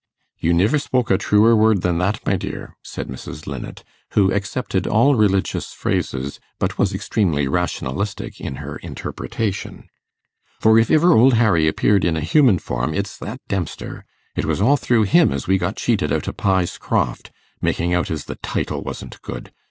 'You niver spoke a truer word than that, my dear,' said Mrs. Linnet, who accepted all religious phrases, but was extremely rationalistic in her interpretation; 'for if iver Old Harry appeared in a human form, it's that Dempster. It was all through him as we got cheated out o' Pye's Croft, making out as the title wasn't good.